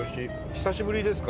久しぶりですか？